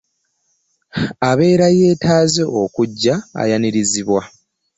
Abeera yeetaaze okujja ayanirizibwa.